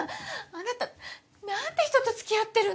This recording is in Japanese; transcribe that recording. あなたなんて人とつきあってるの！